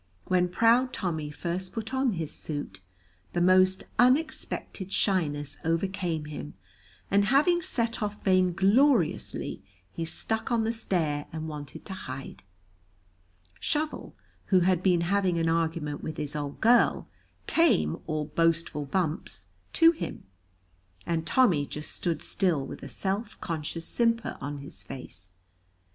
When proud Tommy first put on his suit the most unexpected shyness overcame him, and having set off vaingloriously he stuck on the stair and wanted to hide. Shovel, who had been having an argument with his old girl, came, all boastful bumps, to him, and Tommy just stood still with a self conscious simper on his face.